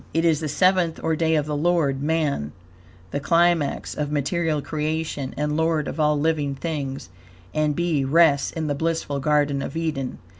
It is the seventh, or day of the Lord (man), the climax of material creation and Lord of all living things, and be rests in the blissful Garden of Eden.